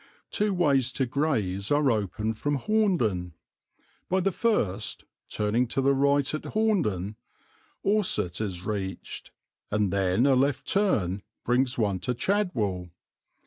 Two ways to Grays are open from Horndon. By the first, turning to the right at Horndon, Orsett is reached, and then a left turn brings one to Chadwell.